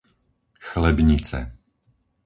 Chlebnice